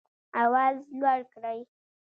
آواز لوړ کړئ